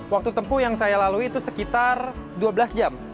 waktu tempuh yang saya lalui itu sekitar dua belas jam